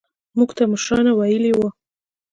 موږ ته مشرانو ويلي وو.